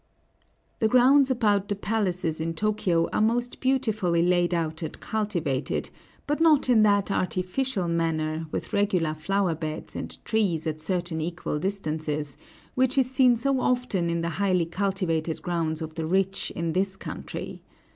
The grounds about the palaces in Tōkyō are most beautifully laid out and cultivated, but not in that artificial manner, with regular flower beds and trees at certain equal distances, which is seen so often in the highly cultivated grounds of the rich in this country.